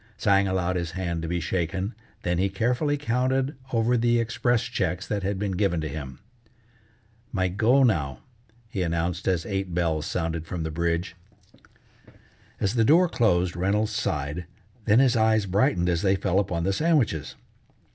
Tsang allowed his hand to be shaken, then he carefully counted over the express checks that had been given to him. "My go now," he announced as eight bells sounded from the bridge. As the door closed Reynolds sighed, then his eyes brightened as they fell upon the sandwiches.